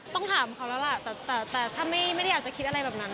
ต้องถามเขาแล้วล่ะแต่ถ้าไม่ได้อยากจะคิดอะไรแบบนั้น